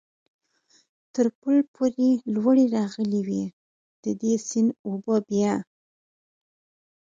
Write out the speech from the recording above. تر پل پورې لوړې راغلې وې، د دې سیند اوبه بیا.